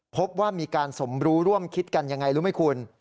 พบว่ามีการสมรู้ร่วมคิดกันยังไงรู้ไหมคุณ